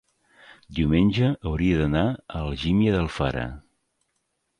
Diumenge hauria d'anar a Algímia d'Alfara.